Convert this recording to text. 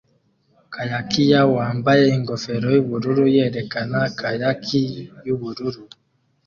Kayakier wambaye ingofero yubururu yerekana kayaki yubururu